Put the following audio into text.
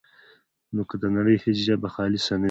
نو که د نړۍ هېڅ ژبه خالصه نه وي،